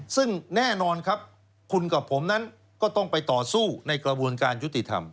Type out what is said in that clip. ซึ่งแน่นอนครับคุณกับผมนั้นก็ต้องไปต่อสู้ในกระบวนการยุติธรรม